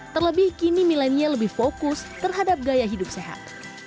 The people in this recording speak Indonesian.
terlebih kini milenial lebih fokus terhadap gaya hidup sehat